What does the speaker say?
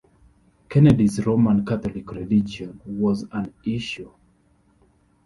Kennedy's Roman Catholic religion was an issue.